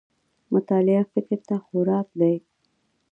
مطالعه فکر ته خوراک دی